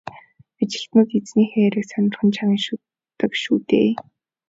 Ажилтнууд эзнийхээ яриаг сонирхон чагнадаг шүү дээ.